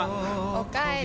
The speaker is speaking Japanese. おかえり。